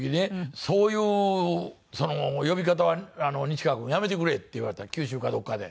「そういう呼び方は西川君やめてくれ」って言われた九州かどこかで。